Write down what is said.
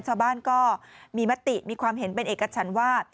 ชาวบ้านก็มีมติมีความเห็นเป็นเอกฉันว่า